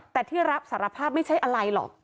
แต่ที่รับสารภาพไม่ใช่อะไรหรอก